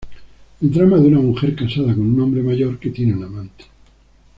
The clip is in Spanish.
El drama de una mujer, casada con un hombre mayor, que tiene un amante.